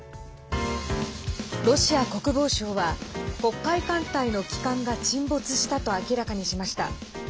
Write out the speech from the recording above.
ロシア国防省は黒海艦隊の旗艦が沈没したと明らかにしました。